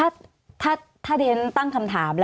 สวัสดีครับทุกคน